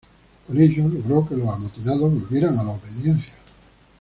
Con ello logró que los amotinados volvieran a la obediencia.